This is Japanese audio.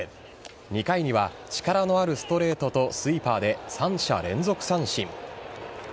２回には力のあるストレートとスイーパーで３者連続三振。